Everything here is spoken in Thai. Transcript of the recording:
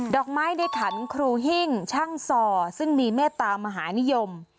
อกไม้ในขันครูหิ้งช่างส่อซึ่งมีเมตตามหานิยม